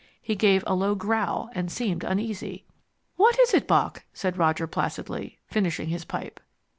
He gave a low growl, and seemed uneasy. "What is it, Bock?" said Roger placidly, finishing his pipe.